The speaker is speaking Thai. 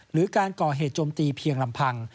หรือการก่อเหตุโจมตีเพียงลำพัง